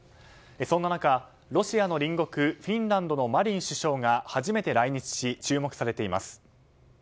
そんな中、ロシアの隣国フィンランドのマリン首相が初めて来日し、注目されています。